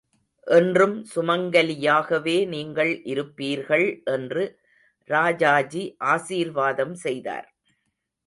என்றும் சுமங்கலியாகவே நீங்கள் இருப்பீர்கள் என்று ராஜாஜி ஆசீர்வாதம் செய்தார்.